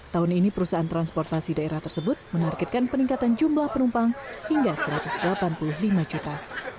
tahun ini perusahaan transportasi daerah tersebut menargetkan peningkatan jumlah penumpang hingga satu ratus delapan puluh lima juta